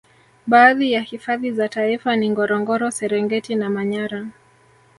Baadhi ya hifadhi za taifa ni Ngorongoro Serengeti na Manyara